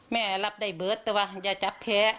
แม่รับได้เบิร์ตแต่ว่าอย่าจับแพ้